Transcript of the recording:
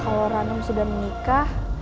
kalau ranum sudah menikah